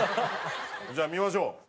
じゃあ見ましょう。